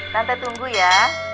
tante tunggu ya